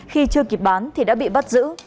khi chưa kịp bán thì đã bị bắt giữ